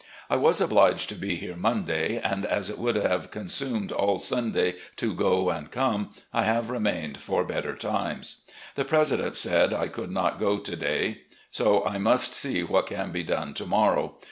I was obliged to be here Mon day, and as it would have consumed all Sunday to go and come, I have remained for better times. The Presi dent said I could not go to day, so I must see what can be done to morrow.